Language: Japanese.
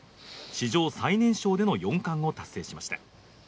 史上最年少での四冠を達成しました。